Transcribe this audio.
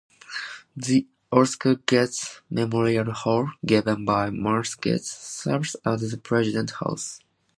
The Oscar Getz Memorial Hall, given by Martha Getz, serves as the President's House.